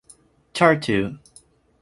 Tartu.